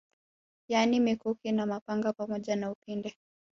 Yani mikuki na mapanga pamoja na upinde